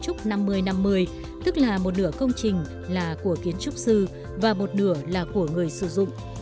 các dự án nhà kiến trúc năm mươi năm mươi tức là một nửa công trình là của kiến trúc sư và một nửa là của người sử dụng